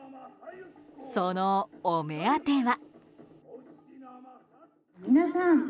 そのお目当ては。